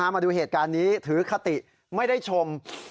มาดูเหตุการณ์นี้ถือคติไม่ได้ชม